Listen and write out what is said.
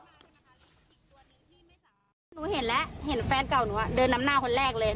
หนูเห็นแล้วเห็นแฟนเก่าหนูอ่ะเดินนำหน้าคนแรกเลย